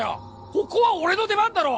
ここは俺の出番だろ！